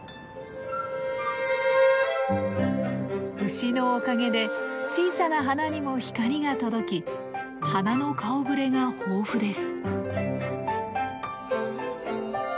牛のおかげで小さな花にも光が届き花の顔ぶれが豊富です。